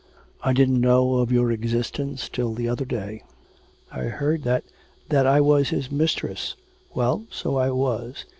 'I didn't know of your existence till the other day. I heard that ' 'That I was his mistress. Well, so I was.